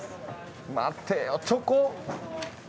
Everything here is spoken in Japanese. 待てよチョコ。